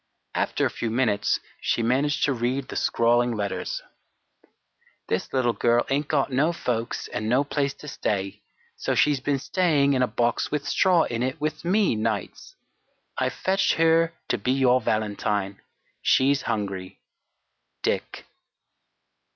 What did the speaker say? After a few minutes she managed to read the scrawling letters: "This little girl ain't got no folks and no place to stay; so she's been staying in a box with straw in it with me nights. I've fetched her to be your valentine. She's hungry. "DICK."